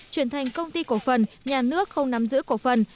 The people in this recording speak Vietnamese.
chuyển thành công ty cổ phần nhà nước không nắm giữ cổ phần